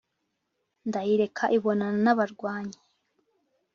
Ndayireka ibonana n'abarwanyi